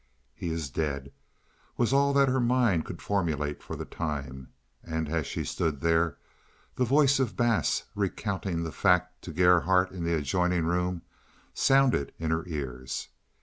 "He is dead," was all that her mind could formulate for the time, and as she stood there the voice of Bass recounting the fact to Gerhardt in the adjoining room sounded in her ears.